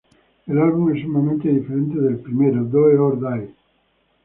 El álbum es sumamente diferente al primero Doe Or Die.